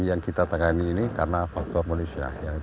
yang kita tangani ini karena faktor manusia